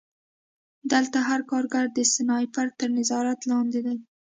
دلته هر کارګر د سنایپر تر نظارت لاندې دی